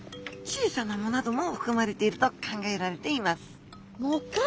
小さな藻などもふくまれていると考えられています藻か。